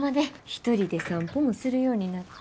１人で散歩もするようになって。